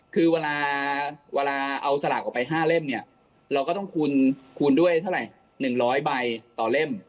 คือเวลาเอาสลากออกไป๕เล่มเนี่ยเราก็ต้องคูณด้วยเท่าไหร่๑๐๐ใบต่อเล่ม